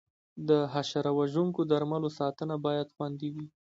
د حشره وژونکو درملو ساتنه باید خوندي وي.